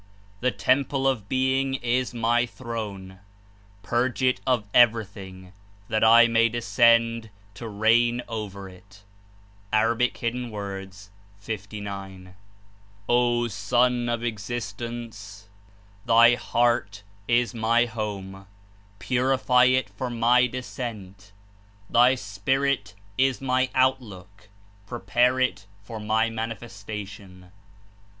The temple of Being is my Throne. Purge it of everything, that I may descend to reign over it J' (A. 59.) ^'O Son of Existence! Thy heart is my Home: purify it for my Descent. Thy spirit is my Outlook: prepare it for my Manifestation/^ (A.